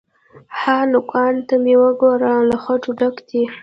_ها! نوکانو ته مې وګوره، له خټو ډک دي.